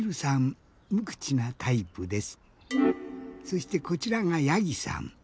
そしてこちらがやぎさん。